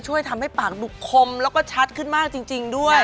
ช่วยทำให้ปากดูคมแล้วก็ชัดขึ้นมากจริงด้วย